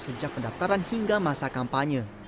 sejak pendaftaran hingga masa kampanye